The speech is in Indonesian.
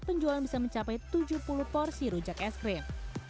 penjualan bisa mencapai tujuh puluh porsi rujak es krim